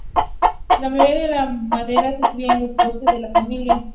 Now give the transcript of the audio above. La mayoría de la madera se cria en los bosques de la familia.